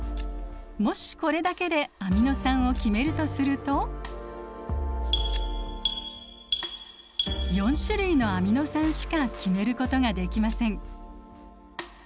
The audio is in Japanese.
もしこれだけでアミノ酸を決めるとすると４種類のアミノ酸しか決めることができません。